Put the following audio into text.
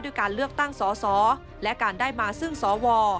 การเลือกตั้งสสและการได้มาซึ่งสว